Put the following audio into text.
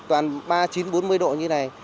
toàn ba mươi chín bốn mươi độ như này